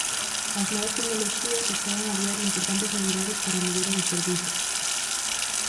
As novas tecnoloxías achegan a diario importantes novidades para a mellora dos servizos.